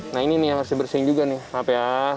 nah ini nih yang harus dibersihin juga nih hp